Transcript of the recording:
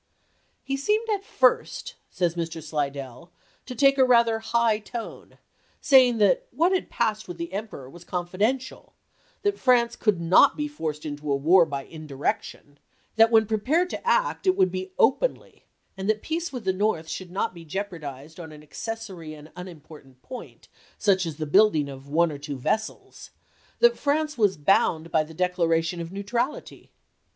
"He seemed at first," says Mr. Slidell, "to take rather a high tone, saying that what had passed with the Emperor was confiden tial ; that France could not be forced into a war by indirection; that when prepared to act it would be openly ; and that peace with the North should not be jeopardized on an accessory and unim portant point, such as the building of one or two vessels ; that France was bound by the declaration of neutrality."